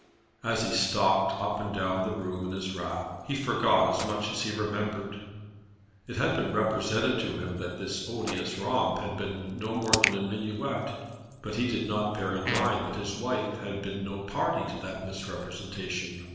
As he stalked up and down the room in his wrath, he forgot as much as he remembered. It had been represented to him that this odious romp had been no more than a minuet; but he did not bear in mind that his wife had been no party to that misrepresentation.